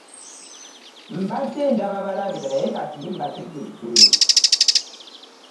Mbadde ndaba balabe naye kati mbategedde.